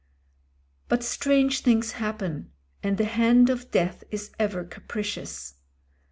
But strange things happen, and the hand of Death is ever capricious.